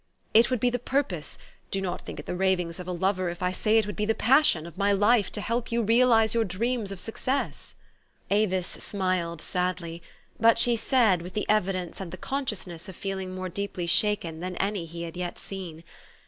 It would be the purpose do not think it the ravings of a lover if I say it would be the passion of my life to help you realize your dreams of success." Avis smiled sadly ; but she said, with the evidence and the consciousness of feeling more deeply shaken than any he had yet seen, 126 THE STORY OF AVIS.